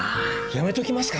やめときますか？